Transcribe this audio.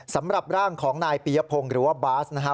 สำหรับร่างของนายปียพงศ์หรือว่าบาสนะครับ